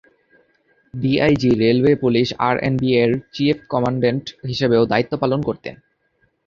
DIG, railway police আরএনবি’র chief commandant হিসেবেও দায়িত্ব পালন করতেন।